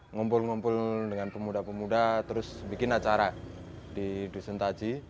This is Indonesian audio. ngumpul ngumpul dengan pemuda pemuda terus bikin acara di dusun taji